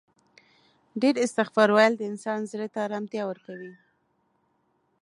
ډیر استغفار ویل د انسان زړه ته آرامتیا ورکوي